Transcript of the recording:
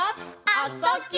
「あ・そ・ぎゅ」